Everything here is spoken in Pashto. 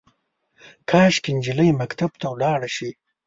کاشکي، نجلۍ مکتب ته ولاړه شي